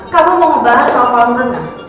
kamu mau ngebahas soal kolam renang